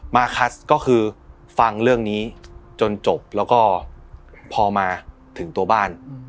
คัสก็คือฟังเรื่องนี้จนจบแล้วก็พอมาถึงตัวบ้าน